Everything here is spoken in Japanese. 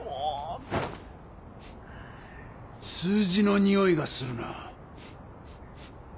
数字のにおいがするな。